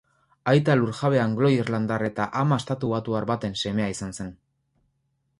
Aita lurjabe anglo-irlandar eta ama estatubatuar baten semea izan zen.